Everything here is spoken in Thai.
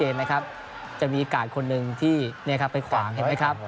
นะครับจะมีอีกไปคนหนึ่งที่เนี่ยครับไปขวางไหมครับ